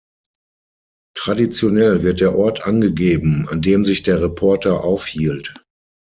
Traditionell wird der Ort angegeben, an dem sich der Reporter aufhielt.